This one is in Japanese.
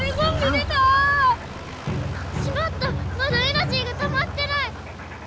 まだエナジーがたまってない！